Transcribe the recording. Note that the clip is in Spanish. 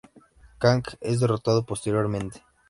Kang es derrotado posteriormente.